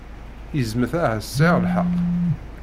Yezmer ahat sɛiɣ lḥeqq.